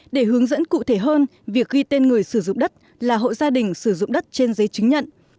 để hướng dẫn cụ thể hơn việc ghi tên người sử dụng đất là hộ gia đình sử dụng đất trên giấy chứng nhận